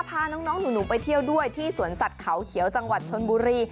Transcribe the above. พาน้องหนูไปเที่ยวด้วยที่สวนสัตว์เขาเขียวจังหวัดชนบุรี